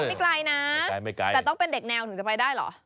อ๋อก็คงไม่ไกลนะไม่ไกลแต่ต้องเป็นเด็กแนวถึงจะไปได้หรือ